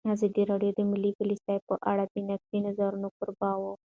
ازادي راډیو د مالي پالیسي په اړه د نقدي نظرونو کوربه وه.